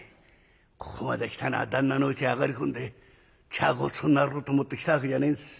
「ここまで来たのは旦那のうちへ上がり込んで茶ごちそうになろうと思って来たわけじゃねえんです。